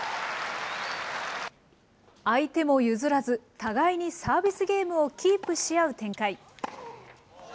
相手も譲らず、互いにサービスゲームをキープし合う展開。